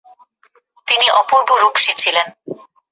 তিনি অপূর্ব রূপসী ছিলেন।